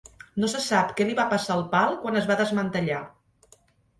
No se sap què li va passar al pal quan es va desmantellar.